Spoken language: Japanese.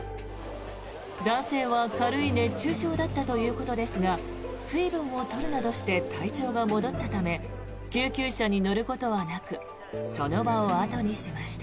男性は軽い熱中症だったということですが水分を取るなどして体調が戻ったため救急車に乗ることはなくその場を後にしました。